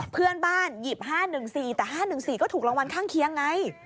เพื่อนบ้านหยิบ๕๑๔แต่๕๑๔ก็ถูกรางวัลข้างเคียงไง